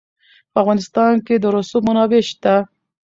په افغانستان کې د رسوب منابع شته.